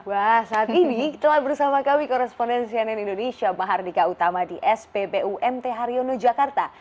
wah saat ini telah bersama kami korespondensi ann indonesia mahardika utama di spbu mt haryono jakarta